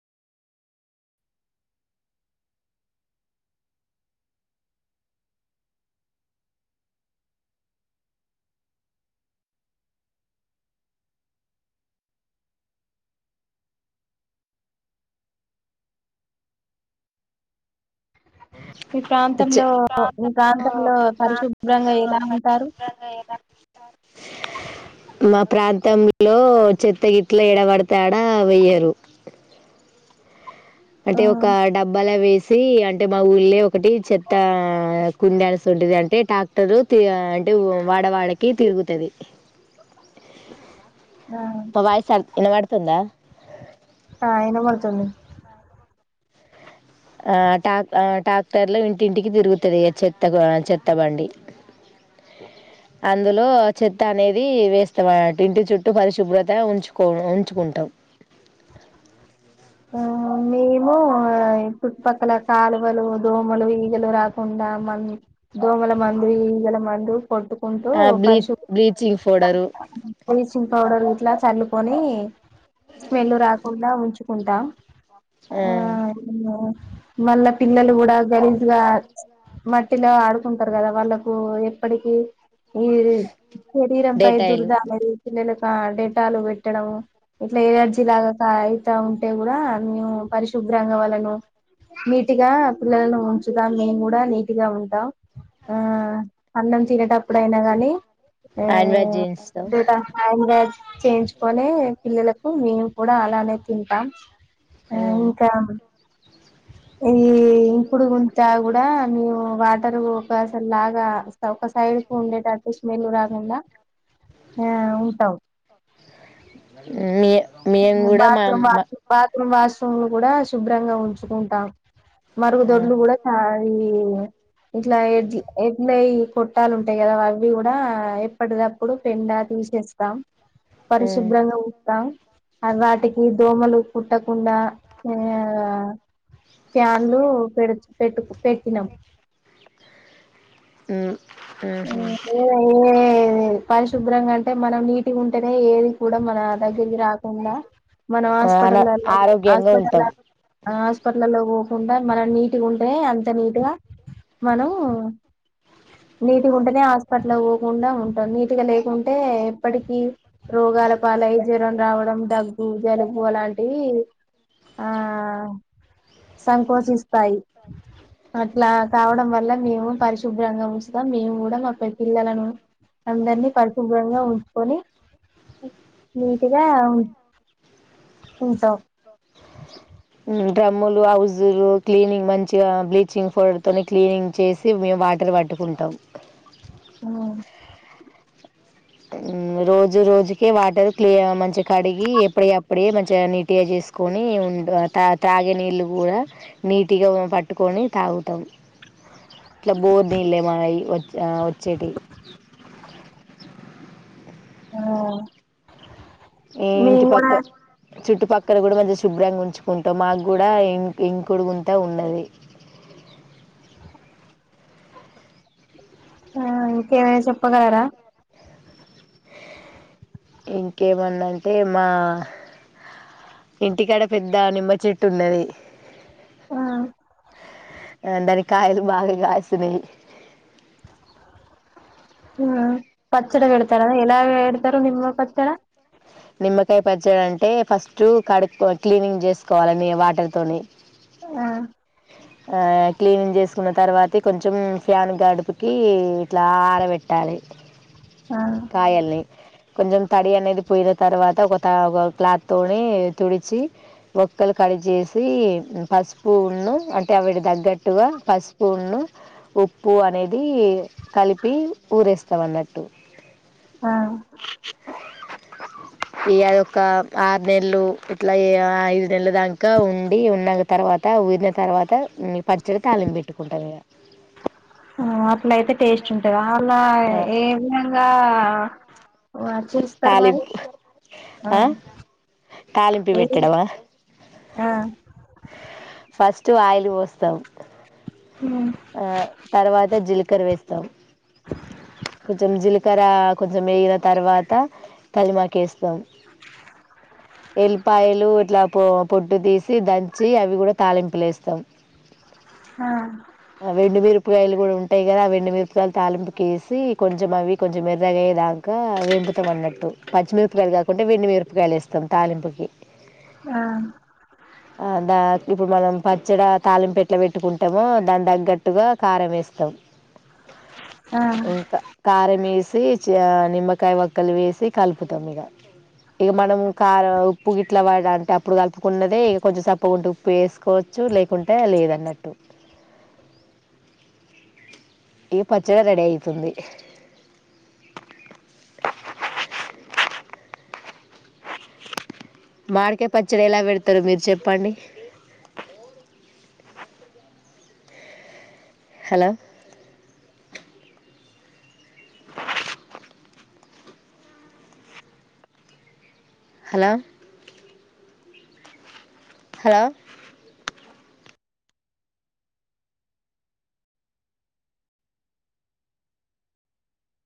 మీ మీ ప్రాంతంలో పరిశుభ్రంగా ప్రాంతంలో ఎలా ఉంటారు పరిశుభ్రంగా ఎలా ఉంటారు మా ప్రాంతంలో చెత్తగిట్ల ఏడబడితే ఆడ వెయ్యరు ఆ అంటే ఒక డబ్బాలా వేసి ఆ అంటే మా ఊళ్లే ఒకటి చెత్త కుండల్స్ ఉంటది అంటే ట్రాక్టరు అంటే వాడ వాడకి తిరుగుతాది ఆ మా వాయిస్ ఆన్ వినబడు తుందా ఆ ఈనబడుతుంది ఆ టాప్ ఆ టాక్టర్ల ఇంటింటికి తిరుగుతుంది చెత్త చెత్త బండి అందులో చెత్త అనేది వేస్తాం అన్నట్టు ఇంటి చుట్టూ పరిశుభ్రత ఉంచుకో ఉంచుకుంటాం ఆ మేము ఇప్పుడు పక్కన కాలువలు దోమలు ఈగలు రాకుండా మ దోమల మందు ఈగల మందు కోట్టుకుంటూ బ్లీ పరిశు బ్లీచింగ్ పౌడరు బ్లీచింగ్ పౌడర్ ఇలా చల్లుకొని స్మెల్ రాకుండా ఉంచు ఉంటా ఉమ్ మళ్ళ పిల్లలు కూడా గలి ఇగా మట్టిలో ఆడుకుంటరు కదా వాళ్ళకు ఎప్పటికిీ ఇది ఈ శరీరంపై డేటాయిలు దుర్ద అనేది పిల్లల ఆ డెటాలు పెట్టడం ఇట్ల ఎనర్జీ లాగా కాయ్ ఆ ఉంటే కూడా మేము పరిశుభ్రంగా వాళ్ళను నీటిగా పిల్లలను ఉంచుతం మేము కూడా నీటిగా ఉంటాం ఉమ్ అన్నం తినేటప్పుడు అయినా గాని హ్యాండ్ వాష్ చేయిస్తాం ఉమ్ డేటా ఫైనలేజ్ చేయించుకొనే పిల్లలకు మేము కూడా అలానే తింటాం మ్ ఉమ్ ఇంకా ఈ ఇంకుడు గుంతా కు ఆ మేము వాటర్ ఒక అసలు లాగా ఒక సైడ్ కు ఉండేటట్టు స్మెల్ రాకుండా ఆ ఉంటాం అ మీ మేము కూడా మా అమ్మ ము వాష్రూంలు కూడా శుభ్రంగా ఉంచుకుంటాం మరుగు ఆ దొడ్లు కూడా కాయీ ఇట్లా ఎడ్ ఎడ్లయి కొట్టాలు ఉంటాయి కదా అవి కూడా ఎప్పటికప్పుడు పెండా తీసేస్తాం ఉమ్ పరిశుభ్రంగా ఉత్తాం అ వాటికి దోమలు కుట్టకుండా ఆ ప్యాన్లు పెడు పెట్టు పెట్టినం ఉమ్ ఉహు ఉమ్ ఎ ఎ ఎది పరిశుభ్రంగా అంటే మనం నీటుగుంటేనే ఏది కూడా మన దగ్గరికి రాకుండా మనం ఆన హాస్పిటలో ఎల్లల ఆరోగ్యంగా హాస్పిటల్ ల ఉంటాం హాస్పిటల్ల్లో పోకుండా మనం నీటుగుంటే అంత నీటుగా మనం నీటుగా ఉంటేనే హాస్పిటల్ పోకుండా ఉంటాం నీటుగా లేకుంటే ఎప్పటికిీ రోగాల పాలై జ్వరం రావడం దగ్గు జలుబు అలాంటివి ఆ సంకోచిస్ స్తాయి అట్ల కావడం వల్ల మేము పరిశుభ్రంగా వు కూడా మా పె-పిల్లలను అందరినీ పరిశుభ్రంగా ఉంచుకొని నీట్గా ఉం ఉంటాం డ్రమ్ములు హౌజులు క్లీనింగ్ మంచిగా బ్లీచింగ్ పౌడర్తో క్లీనింగ్ చేసి మేము వాటర్ పట్టుకుంటాం ఉమ్ ఉమ్ రోజు రోజుకే వాటర్ క్లియ మంచిగా కడిగి ఎప్పుడి యప్పుడే మంచిగా నీటిగా చేసుకొని ఉ త తాగే నీళ్ళు కూడా నీటిగా పట్టుకొని తాగుతాం ఇట్ల బోర్ నీళ్ళే మాయి ఆ ఒచేటి ఆ ఈ ఇంటి మేము కూడా పక్క చుట్టుపక్కల కూడాగా మంచిగా శుభ్రంగా ఉంచుకుంటాం. మాగూడా ఇం ఇంకుడుగుంత ఉన్నది. ఆ ఇంకేమైనా చెప్పగలరా ఇంకేదన్నా అంటే. మా ఇంటికాడ పెద్ద నిమ్మ చెట్టు ఉన్నది. ఆ ఆ దనిక్ కాయలు బాగా గాసినాయి హుహ్ పచ్చడ పెడతారా? ఎలా! వెడతారు నిమ్మ పచ్చడ? నిమ్మకాయ పచ్చడంటే. ఫస్టు కడుకోన్ క్లీనింగ్ చేసుకోవాలన్నీ. వాటర్ తోని ఆ ఆ క్లీనింగ్ చేసుకున్న తర్వాత కొంచెం. ఫ్యాన్ గడుపుకి ఇట్లా ఆరబెట్టాలి. ఆ కాయల్ని కొంచెం తడి అనేది పోయిన త్ తర్వాత ఒక తవ్ ఒక్ క్లాత్తోనే తుడిచి. ఓక్కలు కడిచేసి పసుపును అంటే అవిటి దగ్గట్టుగా పసుపును, ఉప్పు అనేది కలిపి ఊరేస్తాంన్నట్టు. ఆ ఇగ అదొక ఆరు నెల్లు, ఇట్లా ఏ ఐదు నెల్లా దాకా ఉండి. ఉన్న తర్వాత ఊర్న తర్వాత ఉమ్ ఈ పచ్చడి తాళింబెట్టుకుంటాం. ఇగా ఆహ్ అట్లయితే టేస్ట్ ఉంటదా. అళ ఆ ఏ విధంగా [unintelligible] చేస్తారు మరి తాలింపు ఆ తాలింపి ఏ పెట్టడమా ఆ ఫస్ట్ ఆయిలి పోస్తాం. హ్మ్. ఆ తర్వాత జీలకర్ర వేస్ తం కొంచం జీల్కర్ర కొంచం వేగిన తర్వాత తలిమాకు ఏస్తాం. ఎల్పాయలు ఇట్లా పో పొట్టు తీసి దంచి అవి గూడా తాళింపులేస్తాం. హహ్ ఆ వెండుమిరపకాయలు గూడా ఉంటాయి కదా. ఆ వెండుమిరపకాయలు తాలింపుకి వేసి కొంచెం, అవి కొంచెం ఎర్రగా అయ్యే దాంకా వేపుతాం అన్నట్టు. పచ్చిమిరపకాయలు కాకుంటే వెండిమిరపకాయలు వేస్తాం. తాలింపుకి ఆ అ దా ఇప్పుడు మనం పచ్చడా తాలింప్ యేట్ల పెట్టుకుంటామో దాన్ దగ్గట్టుగా కారం వేస్తాం ఆ ఇంక కారమేసి చిగా నిమ్మకాయ ఓక్కలు వేసి కలుపుతాం ఇగ. ఇగా మనము కారం, ఉప్పు గిట్లా వాడంతా అప్పుడు కలుపుకున్నదే ఇగ కొంచెం సప్పకుంటే ఉప్పు ఏసుకోవచ్చు. లేకుంటే లేదన్నట్టు. ఈ పచ్చడ రెడీ అయితుంది మాడికాయ్ పచ్చడి ఎలా పెడతారో మీరు చెప్పండి. Hello hello hello